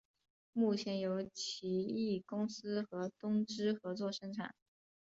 目前由奇异公司和东芝合作生产。